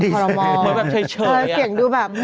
เสียงดูแบบ